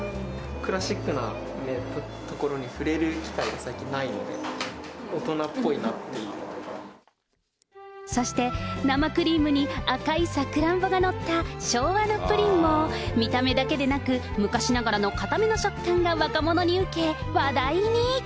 クラシックなところに触れる機会が最近ないので、そして、生クリームに赤いサクランボが載った昭和のプリンも、見た目だけでなく、昔ながらの硬めの触感が若者に受け、話題に。